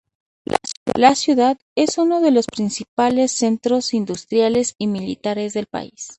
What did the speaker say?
La ciudad es uno de los principales centros industriales y militares del país.